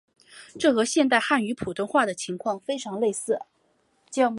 这和现代汉语普通话的情况非常类似。